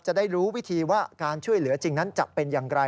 จะได้รู้วิธีว่าการช่วยเหลือจริงนั้นจะเป็นอย่างไร